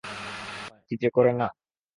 কী যে করে না!